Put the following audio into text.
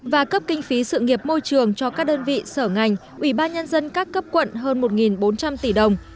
và cấp kinh phí sự nghiệp môi trường cho các đơn vị sở ngành ủy ban nhân dân các cấp quận hơn một bốn trăm linh tỷ đồng